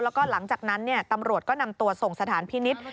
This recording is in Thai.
แล้วก็หลังจากนั้นตำรวจก็นำตัวส่งสถานพินิษฐ์